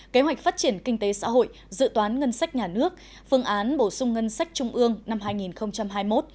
kế hoạch phát triển kinh tế xã hội dự toán ngân sách nhà nước phương án bổ sung ngân sách trung ương năm hai nghìn hai mươi một